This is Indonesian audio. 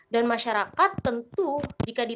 dan masyarakat tentu jika ditanya khawatir atau tidak